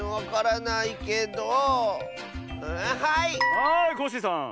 はいコッシーさん。